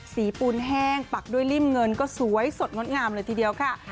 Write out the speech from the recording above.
ปูนแห้งปักด้วยริ่มเงินก็สวยสดงดงามเลยทีเดียวค่ะ